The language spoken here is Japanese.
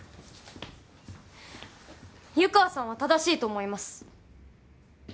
湯川さんは正しいと思います。